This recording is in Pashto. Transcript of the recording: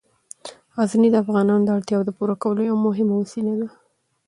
غزني د افغانانو د اړتیاوو د پوره کولو یوه مهمه وسیله ده.